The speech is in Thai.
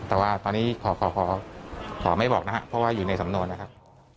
แต่ว่าตอนนี้ขอไม่บอกนะครับเพราะว่าอยู่ในสำนวนนะครับ